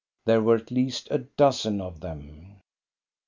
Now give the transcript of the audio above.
There were at least a dozen of them.